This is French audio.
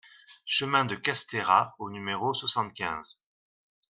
Chemin de Castera au numéro soixante-quinze